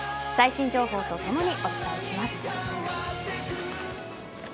最新情報とともにお伝えします。